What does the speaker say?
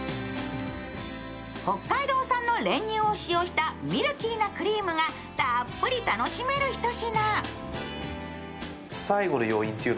北海道産の練乳を使用したミルキーなクリームがたっぷり楽しめるひと品。